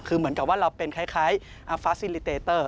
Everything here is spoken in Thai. คือเหมือนกับว่าเราเป็นคล้ายฟ้าซิลิเตเตอร์